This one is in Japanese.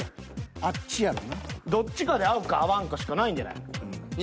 どっちかで合うか合わんかしかないんじゃないの？